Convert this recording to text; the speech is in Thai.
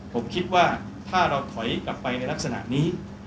ผมคิดว่าถ้าเราถอยกลับไปในลักษณะนี้